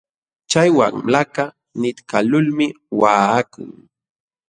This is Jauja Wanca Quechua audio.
Chay wamlakaq nitkaqlulmi waqakun.